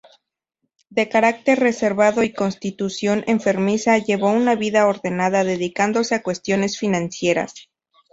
De carácter reservado y constitución enfermiza, llevó una vida ordenada dedicándose a cuestiones financieras.